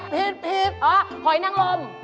ผีทอ๋อหอยนั่งลม